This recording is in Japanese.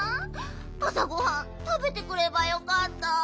あさごはんたべてくればよかった。